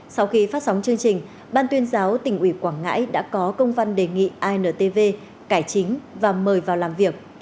sau khi phát sóng chương trình ban tuyên giáo tỉnh ủy quảng ngãi đã có công văn đề nghị intv cải chính và mời vào làm việc